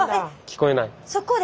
聞こえない？